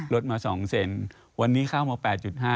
รถมา๒เซนวันนี้เข้ามา๘๕